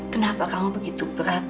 kenapa kamu begitu berat